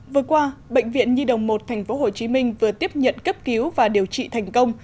vừa qua bệnh viện nhi đồng một tp hcm vừa tiếp nhận cấp cứu và điều trị thành công